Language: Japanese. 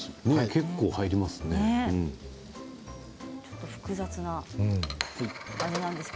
結構入りますね。